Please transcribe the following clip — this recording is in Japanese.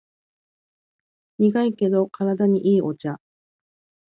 苦いけど体にいいお茶